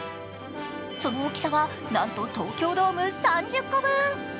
その大きさは、なんと東京ドーム３０個分。